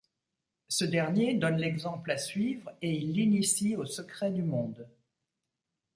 Ce dernier donne l'exemple à suivre, et il l'initie aux secrets du monde.